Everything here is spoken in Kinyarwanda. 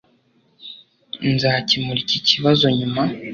nzakemura iki kibazo nyuma